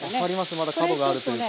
まだ角があるというか。